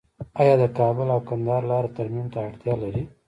آیا د کابل او کندهار لاره ترمیم ته اړتیا لري؟